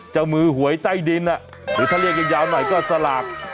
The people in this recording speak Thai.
เจ้ามือหวยใต้ดินหรือถ้าเรียกยาวหน่อยก็สลาก